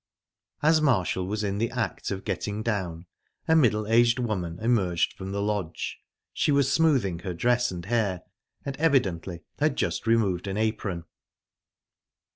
As Marshall was in the act of getting down, a middle aged woman emerged from the lodge. She was smoothing her dress and hair, and evidently had just removed an apron.